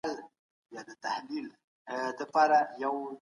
هغې پوهه ترلاسه کړه او پیسې ورپسې راغلې.